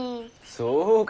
そうか。